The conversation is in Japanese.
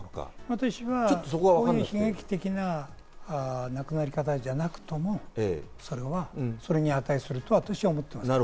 私は悲劇的な亡くなり方じゃなくとも、それはそれに値すると私は思っています、